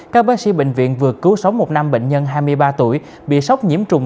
các bác sĩ bệnh viện vừa cứu sống một năm bệnh nhân hai mươi ba tuổi bị sốc nhiễm trùng